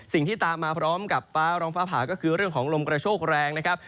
สิ่งที่ตามมาพร้อมกับฟ้าร้องฟ้าผ่าก็คือเรื่องของลมกระโชคแรงนะครับ